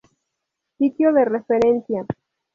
Sitio de referencia.